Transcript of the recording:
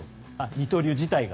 二刀流自体が？